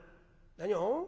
「何を？